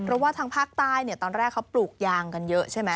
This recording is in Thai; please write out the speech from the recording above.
เพราะว่าทางภาคใต้เนี่ยตอนแรกเขาปลูกยางกันเยอะใช่ไหม